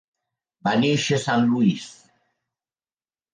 Va néixer a Saint Louis.